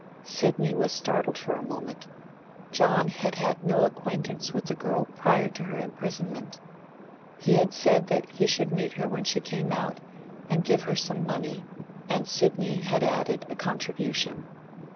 Sidney was startled for a moment. John had had no acquaintance with the girl prior to her imprisonment. He had said that he should meet her when she came out and give her some money, and Sidney had added a contribution.